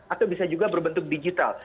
atau bisa juga berbentuk digital